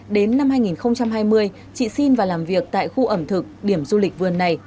đến năm hai nghìn hai mươi chị xin và làm việc tại khu ẩm thực điểm du lịch vườn này